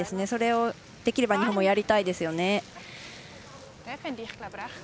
それをできれば日本もやりたいですよね。